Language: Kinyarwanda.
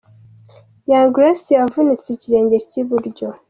Young Grace yavunitse ikirenge cy'i Buryo.